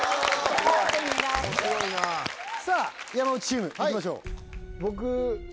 面白いなさあ山内チームいきましょう